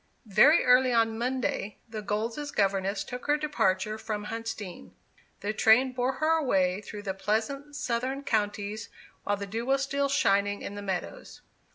Very early on Monday, the Golds' governess took her departure from Huntsdean. The train bore her away through the pleasant southern counties while the dew was still shining on the meadows.